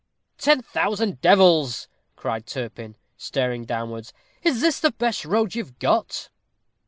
"Ten thousand devils!" cried Turpin, staring downwards, "is this the best road you have got?"